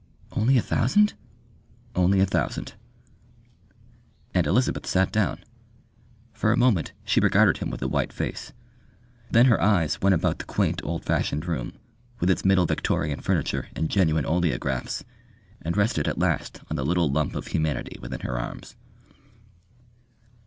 "Only a thousand?" "Only a thousand." And Elizabeth sat down. For a moment she regarded him with a white face, then her eyes went about the quaint, old fashioned room, with its middle Victorian furniture and genuine oleographs, and rested at last on the little lump of humanity within her arms.